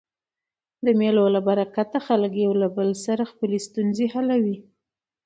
د مېلو له برکته خلک له یو بل سره خپلي ستونزي حلوي.